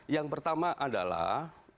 yang pertama adalah